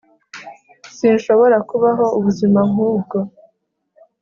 sinshobora kubaho ubuzima nk'ubwo